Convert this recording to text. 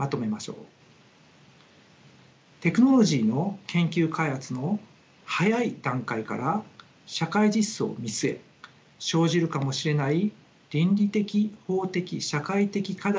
テクノロジーの研究開発の早い段階から社会実装を見据え生じるかもしれない倫理的・法的・社会的課題